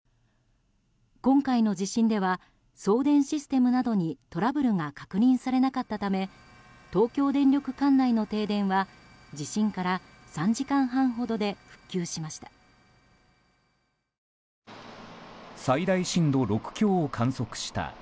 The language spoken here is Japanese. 今回の地震では送電システムなどにトラブルが確認されなかったため東京電力管内の停電は地震から３時間半ほどで復旧しました。